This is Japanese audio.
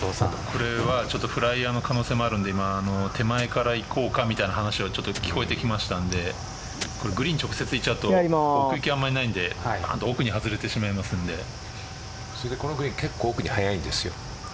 これはフライヤーの可能性もあるので手前からいこうかみたいな話聞こえてきましたのでグリーン直接いっちゃうと奥行きがあまりないのでこのグリーン結構、奥に速いんですよ。